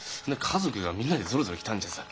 家族がみんなでゾロゾロ来たんじゃさ。